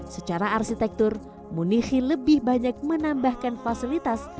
secara arsitektur munihi lebih banyak menambahkan fasilitas